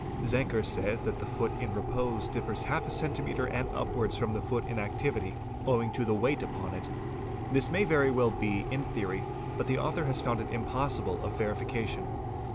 Zenker says that the foot in repose differs half a centimetre and t upwards from the foot in activity owing to the weight upon it. This — may very well be in theory but the author has found it impossible of verification.